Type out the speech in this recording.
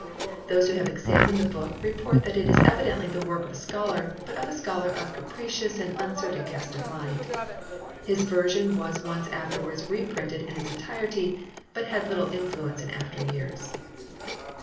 Those who have examined the book report that it is evidently the work of a scholar, but of a scholar of capricious and uncertain cast of mind. His version was once after wards reprinted in its entirety but had little influence in after years.